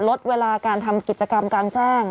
ลดเวลาการทำกิจกรรมกลางแจ้ง